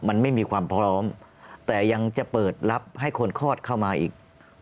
มันไม่มีความพร้อมแต่ยังจะเปิดรับให้คนคลอดเข้ามาอีก